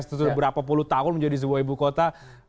setelah berapa puluh tahun menjadi sebuah ibu kota